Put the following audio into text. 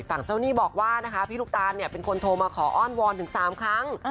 ฝั่งเจ้านี่บอกว่าพี่ลูกตาลเป็นคนโทรมาขออ้อนวอนถึง๓ครั้ง